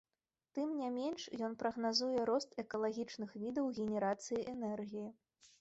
Тым не менш ён прагназуе рост экалагічных відаў генерацыі энергіі.